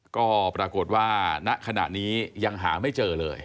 ก็ปรากฏว่าณขณะนี้ยังหาไม่เจอเลย